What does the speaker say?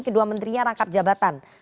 kedua menterinya rangkap jabatan